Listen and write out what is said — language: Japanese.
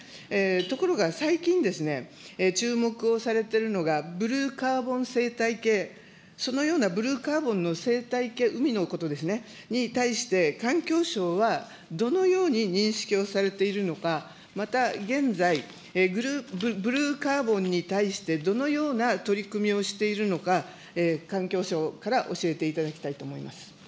ところが最近ですね、注目をされてるのが、ブルーカーボン生態系、そのようなブルーカーボンの生態系、海のことですね、に対して環境省はどのように認識をされているのか、また現在、ブルーカーボンに対してどのような取り組みをしているのか、環境相から教えていただきたいと思います。